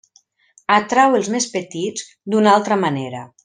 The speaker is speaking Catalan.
Atrau els més petits d'una altra manera.